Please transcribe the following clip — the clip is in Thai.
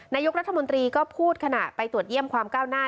นายกรัฐมนตรีก็พูดขณะไปตรวจเยี่ยมความก้าวหน้า